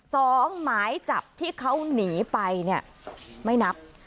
หมายจับที่เขาหนีไปเนี่ยไม่นับ